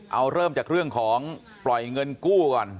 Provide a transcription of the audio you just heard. เอาเริ่มจากเรื่องของปล่อยเงินกู้ก่อน